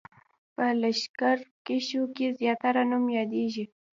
په لښکرکښیو کې زیاتره نوم یادېږي.